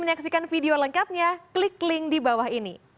nervous atau enggak